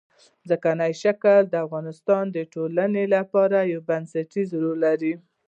ځمکنی شکل د افغانستان د ټولنې لپاره یو بنسټيز رول لري.